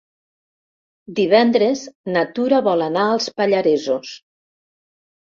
Divendres na Tura vol anar als Pallaresos.